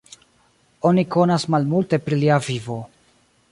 Oni konas malmulte pri lia vivo.